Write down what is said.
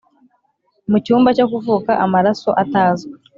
mucyumba cyo kuvuka amaraso atazwi